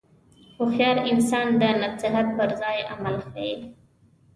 هوښیار انسان د نصیحت پر ځای عمل ښيي.